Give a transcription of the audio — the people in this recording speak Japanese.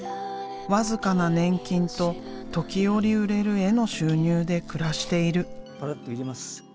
僅かな年金と時折売れる絵の収入で暮らしている。